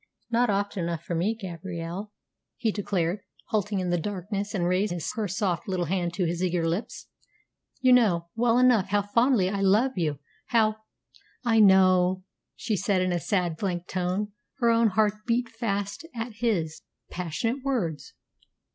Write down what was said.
"Not often enough for me, Gabrielle," he declared, halting in the darkness and raising her soft little hand to his eager lips. "You know well enough how fondly I love you, how " "I know," she said in a sad, blank tone. Her own heart beat fast at his passionate words.